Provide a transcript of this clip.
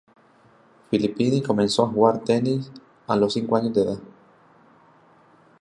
Filippini comenzó a jugar tenis a los cinco años de edad.